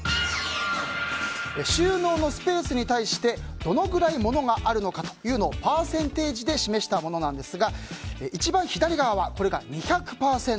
収納のスペースに対してどのくらい物があるのかというのをパーセンテージで示したものなんですが一番左側は２００％。